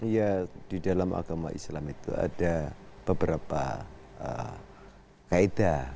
ya di dalam agama islam itu ada beberapa kaedah